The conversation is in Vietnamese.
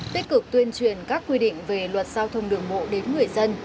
tích cực tuyên truyền các quy định về luật giao thông đường mộ đến người dân